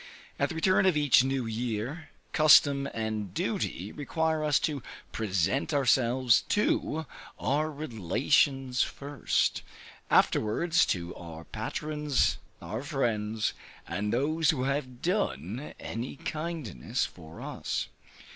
At the return of each new year, custom and duty require us to present ourselves to our relations first; afterwards to our patrons, our friends, and those who have done any kindness for us.